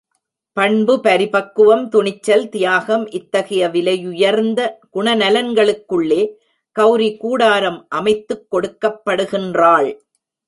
பண்பு, பரிபக்குவம், துணிச்சல், தியாகம் இத்தகைய விலையுயர்ந்த குணநலன்களுக்கு உள்ளே கெளரி கூடாரம் அமைத்துக் கொடுக்கப் படுகின்றாள்.